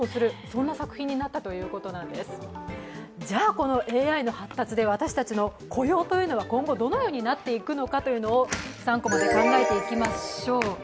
このＡＩの発達で私たちの雇用は今後、どのようになっていくのか３コマで考えていきましょう。